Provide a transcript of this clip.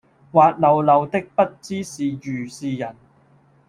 滑溜溜的不知是魚是人，